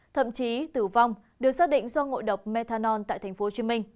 thậm chí tử vong được xác định do ngộ độc methanol tại tp hcm